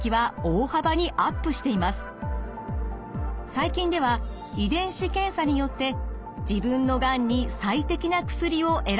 最近では遺伝子検査によって自分のがんに最適な薬を選ぶことができます。